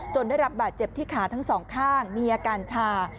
ได้รับบาดเจ็บที่ขาทั้งสองข้างมีอาการชา